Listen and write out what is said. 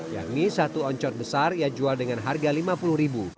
yang ini satu oncot besar ia jual dengan harga rp lima puluh